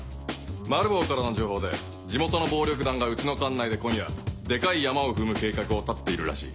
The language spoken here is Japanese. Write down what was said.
マルボウからの情報で地元の暴力団がうちの管内で今夜デカいヤマを踏む計画を立てているらしい。